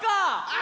あ！